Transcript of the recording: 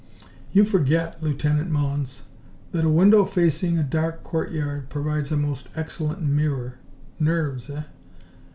"You forget, Lieutenant Mullins, that a window facing a dark courtyard provides a most excellent mirror. Nerves, eh?